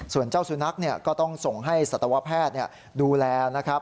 ส่วนเจ้าสุนัขก็ต้องส่งให้สัตวแพทย์ดูแลนะครับ